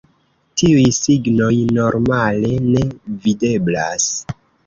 Tiuj signoj normale ne videblas.